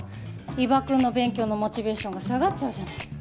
伊庭くんの勉強のモチベーションが下がっちゃうじゃない。